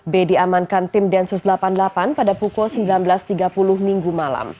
b diamankan tim densus delapan puluh delapan pada pukul sembilan belas tiga puluh minggu malam